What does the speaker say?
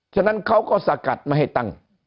ฉะนั้นเขาก็สกัดไม่ให้ตั้ง